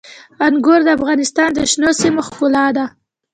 انګور د افغانستان د شنو سیمو ښکلا ده.